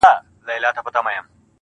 وخت حوصله غواړي د ژوند د تېریدو په خاطر